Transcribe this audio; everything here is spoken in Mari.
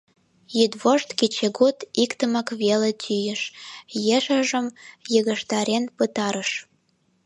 Йӱдвошт-кечыгут иктымак веле тӱйыш, ешыжым йыгыжтарен пытарыш.